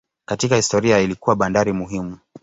Katika historia ilikuwa bandari muhimu.